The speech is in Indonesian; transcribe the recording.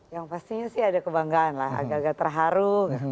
yang pastinya sih ada kebanggaan lah agak agak terharu